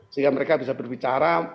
sehingga mereka bisa berbicara